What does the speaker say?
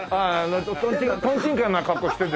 とんちんかんな格好してて何かなって。